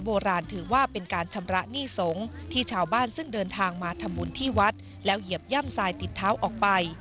หรือสาวบ้านซึ่งเดินทางมาทำบุญที่วัดแล้วเหยียบย่ำทรายติดเท้าออกไป